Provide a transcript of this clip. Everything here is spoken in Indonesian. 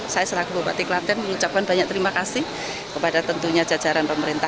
saya selaku bupati klaten mengucapkan banyak terima kasih kepada tentunya jajaran pemerintah